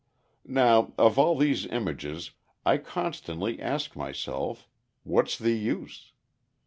Now, of all of these things, I constantly ask myself, What's the use?